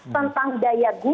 tentang daya guna